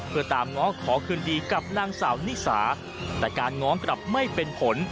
เพื่อตามง้อขอคืนดีกับนางสาวนิสาแต่การง้อกลับไม่เป็นผล